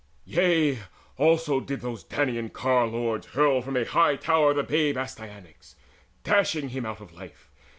Yea, also did those Danaan car lords hurl From a high tower the babe Astyanax, Dashing him out of life.